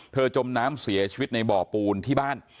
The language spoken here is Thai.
จมน้ำเสียชีวิตในบ่อปูนที่บ้าน